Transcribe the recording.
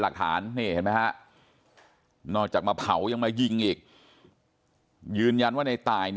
หลักฐานนอกจากมาเผายังมายิงอีกยืนยันไว้ในตาย